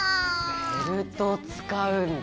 ベルト使うんだ。